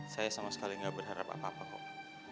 saya sama sekali gak berharap apa apa kok